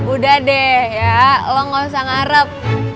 udah deh ya lo gak usah ngarep